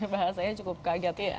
bahasanya cukup kaget ya